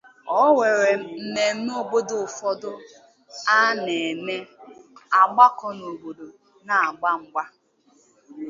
O nwere mmemme obodo ụfọdụ a na-eme agbakọọ n’obodo a na-agba mgba